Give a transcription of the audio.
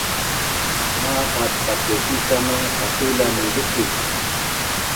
Maqat patlukican na qatulan ni lukic